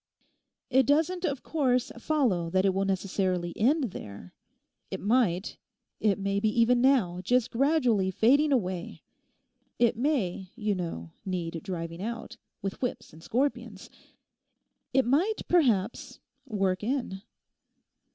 It doesn't, of course, follow that it will necessarily end there. It might—it may be even now just gradually fading away. It may, you know, need driving out—with whips and scorpions. It might, perhaps, work in.